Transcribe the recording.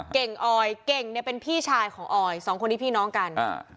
เก่งออยเก่งเนี่ยเป็นพี่ชายของออยสองคนนี้พี่น้องกันอ่า